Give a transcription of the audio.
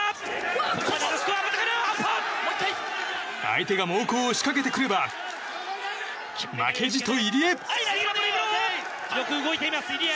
相手が猛攻を仕掛けてくれば負けじと入江！